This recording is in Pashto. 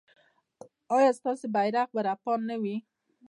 ایا ستاسو بیرغ به رپانده نه وي؟